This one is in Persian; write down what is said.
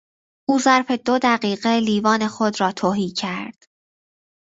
او ظرف دو دقیقه لیوان خود را تهی کرد.